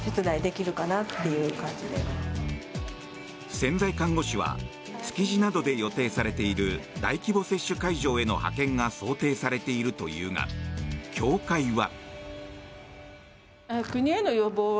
潜在看護師は築地などで予定されている大規模接種会場への派遣が想定されているというが協会は。